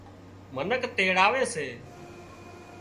منک تيڙاوي سي